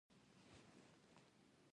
ما ورته وویل: سویس ته تګ دومره اسان نه دی.